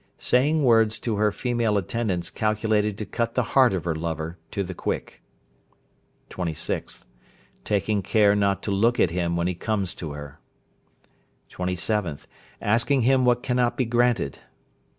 Saying words to her female attendants calculated to cut the heart of her lover to the quick. 26th. Taking care not to look at him when he comes to her. 27th. Asking him what cannot be granted.